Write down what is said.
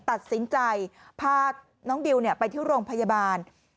ตัดสินใจพาน้องบิวไปที่โรงพยาบาล